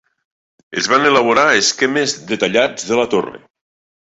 Es van elaborar esquemes detallats de la torre.